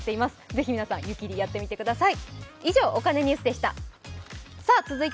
ぜひ皆さん、湯切りやってみてください。